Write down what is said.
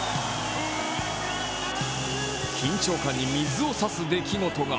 緊張感に水を差す出来事が。